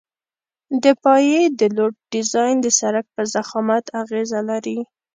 د پایې د لوډ ډیزاین د سرک په ضخامت اغیزه لري